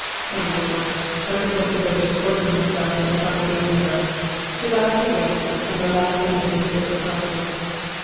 Oh! Lord! I suppose the beggars poisoned themselves when they saw the game was up.' He laughed again and the laugh ended in a fit of coughing.